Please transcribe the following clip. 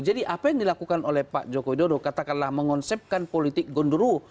jadi apa yang dilakukan oleh pak joko widodo katakanlah mengonsepkan politik gondoruo